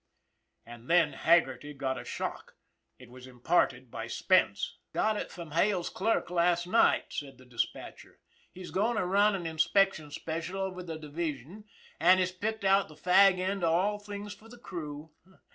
And then Haggerty got a shock. It was imparted by Spence. " Got it from Hale's clerk last night," said the dis patcher. " He's going to run an inspection special over the division, and he's picked out the fag end of all things for the crew.